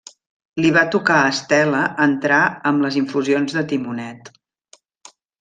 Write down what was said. Li va tocar a Estela entrar amb les infusions de timonet.